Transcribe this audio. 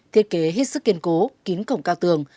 thiết kế hết sức kiên cố kín cổng cao tường